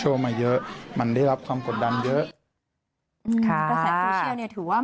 หลายคู่ในวงการบรรถมือบรรเทอของเรา